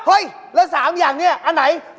เฮ้ยและ๓อย่างเนี่ยนี่อันไหนถูก